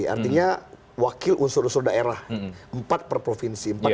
artinya wakil unsur unsur daerah empat per provinsi empat kan tiga puluh empat